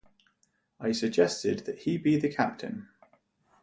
I suggested that he be the captain.